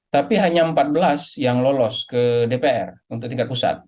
tapi hanya empat belas yang lolos ke dpr untuk tingkat pusat